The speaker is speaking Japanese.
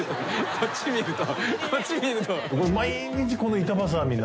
こっち見ると。